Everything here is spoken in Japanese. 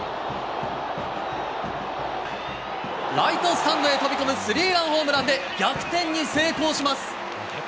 ライトスタンドへ飛び込むスリーランホームランで、逆転に成功します。